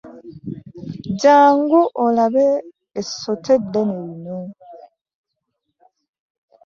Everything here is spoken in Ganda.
Jangu olabe essota eddene lino!